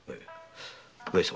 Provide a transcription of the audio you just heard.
上様。